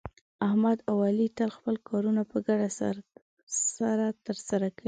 احمد او علي تل خپل کارونه په ګډه سره ترسه کوي.